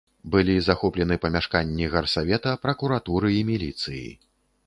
Былі захоплены памяшканні гарсавета, пракуратуры і міліцыі.